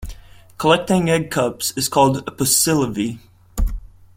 Collecting egg cups is called pocillovy.